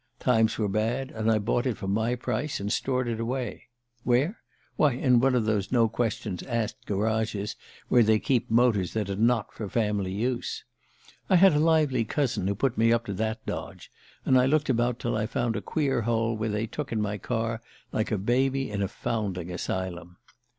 Times were bad, and I bought it for my price, and stored it away. Where? Why, in one of those no questions asked garages where they keep motors that are not for family use. I had a lively cousin who had put me up to that dodge, and I looked about till I found a queer hole where they took in my car like a baby in a foundling asylum...